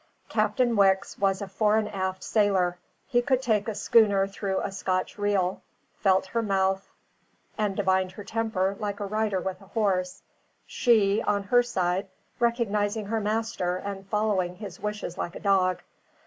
Captain Wicks was a fore and aft sailor; he could take a schooner through a Scotch reel, felt her mouth and divined her temper like a rider with a horse; she, on her side, recognising her master and following his wishes like a dog.